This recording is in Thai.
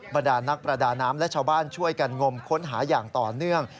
บรรดานักประดาน้ำและชาวบ้านช่วยกันงมค้นหาอย่างต่อเนื่อง